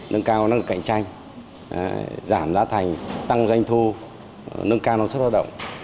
nâng cao năng lực cạnh tranh giảm giá thành tăng doanh thu nâng cao nông suất hoạt động